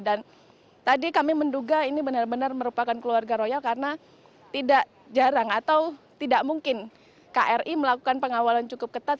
dan tadi kami menduga ini benar benar merupakan keluarga royal karena tidak jarang atau tidak mungkin kri melakukan pengawalan cukup ketat